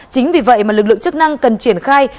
chính vì vậy mà lực lượng chức năng cần triển khai